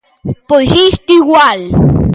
Pois isto igual.